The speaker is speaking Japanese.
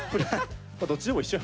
どっちでも一緒や。